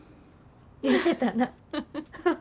言うてたな。